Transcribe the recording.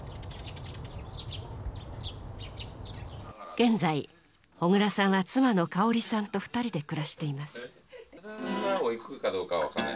現在小椋さんは妻の佳穂里さんと２人で暮らしています。